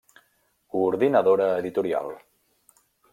Coordinadora Editorial.